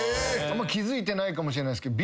気付いてないかもしれないっすけど。